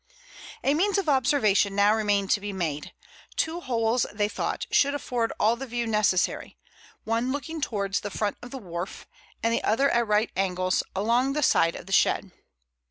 A means of observation now remained to be made. Two holes, they thought, should afford all the view necessary, one looking towards the front of the wharf, and the other at right angles, along the side of the shed.